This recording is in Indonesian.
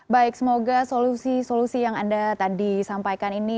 baik semoga solusi solusi yang anda tadi sampaikan ini